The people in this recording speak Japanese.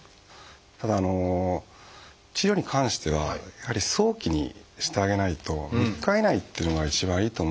ただ治療に関してはやはり早期にしてあげないと３日以内っていうのが一番いいと思うんですけど。